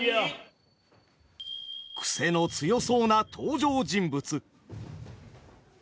クセの強そうな登場人物。